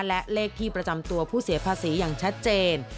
และเลขที่ประจำตัวผู้เสียภาษีอย่างชัดเจน